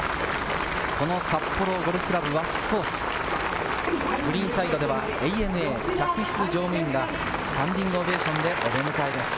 この札幌ゴルフ倶楽部、輪厚コース、グリーンサイドでは、ＡＮＡ客室乗務員がスタンディングオベーションでお出迎えです。